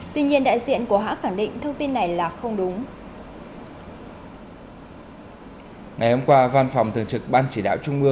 tuy nhiên đại diện của hãng khẳng định thông tin này là không đúng